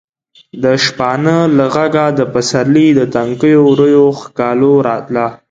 د شپانه له غږه د پسرلي د تنکیو ورویو ښکالو راتله.